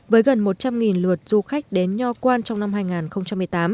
với gần một trăm linh lượt du khách đến nho quan trong năm hai nghìn một mươi tám